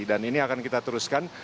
dan ini akan kita teruskan